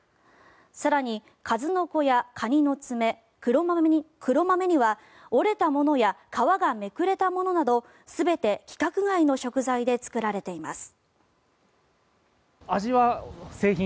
更に、数の子やカニの爪黒豆には折れたものや皮がめくれたものなど全て規格外の食材で作られています。